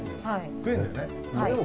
はい。